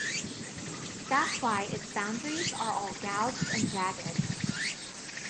That's why its boundaries are all gouged and jagged.